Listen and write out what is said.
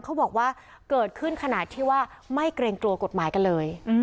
เขาบอกว่าเกิดขึ้นขนาดที่ว่าไม่เกรงกลัวกฎหมายกันเลย